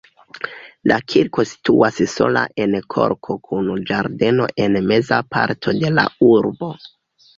La kirko situas sola en korto kun ĝardeno en meza parto de la urbo.